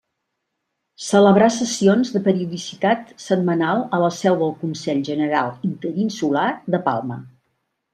Celebrà sessions, de periodicitat setmanal, a la seu del Consell General Interinsular, de Palma.